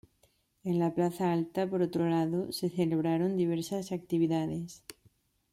En la Plaza Alta, por otro lado, se celebraron diversas actividades.